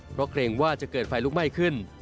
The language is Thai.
เพราะเกรงว่าจะเกิดไฟลุกไหม้ขึ้น